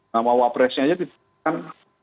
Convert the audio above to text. nama wabresnya saja diberikan